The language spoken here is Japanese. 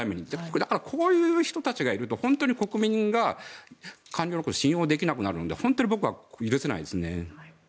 だからこういう人たちがいると国民が官僚のこと信用できなくなるので本当に許せないです。